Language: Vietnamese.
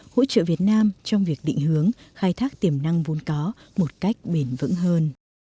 hỗ trợ việt nam trong việc định hướng khai thác tiềm năng vốn có một cách bền vững hơn